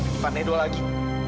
ke depan edo lagi